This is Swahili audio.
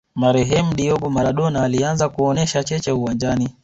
marehemu diego maradona alianza kuonesha cheche uwanjani